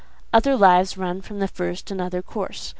Other lives run from the first another course.